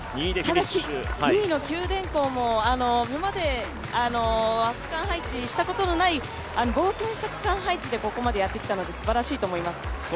ただし、２位の九電工も今まで区間配置したことのない、冒険した区間配置でここまでやってきたのですばらしいと思います。